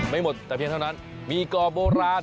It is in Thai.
ไม่หมดแต่เพียงเท่านั้นมีก่อโบราณ